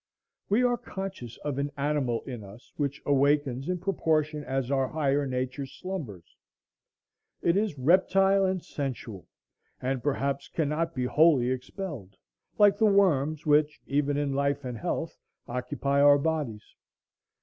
We are conscious of an animal in us, which awakens in proportion as our higher nature slumbers. It is reptile and sensual, and perhaps cannot be wholly expelled; like the worms which, even in life and health, occupy our bodies.